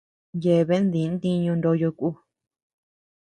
Yeabean di ntiñu ndoyo ku.